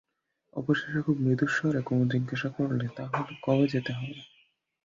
অবশেষে খুব মৃদুস্বরে কুমু জিজ্ঞাসা করলে, তা হলে কবে যেতে হবে?